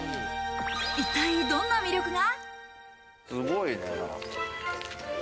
一体どんな魅力が？